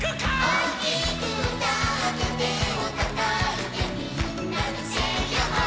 「おおきくうたっててをたたいてみんなでｓａｙヤッホー」